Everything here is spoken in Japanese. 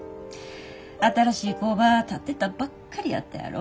新しい工場建てたばっかりやったやろ。